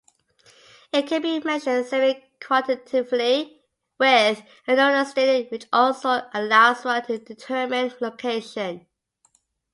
It can be measured semi-quantitatively with immunostaining, which also allows one to determine location.